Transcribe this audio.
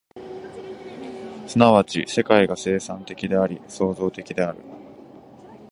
即ち世界が生産的であり、創造的である。